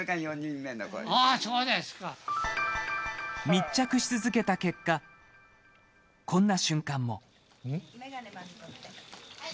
密着し続けた結果こんな瞬間も。